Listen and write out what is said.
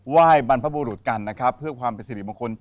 ไหว้บรรพบรุษกันนะครับเพื่อความเป็นสิ่งศักดิ์บางคน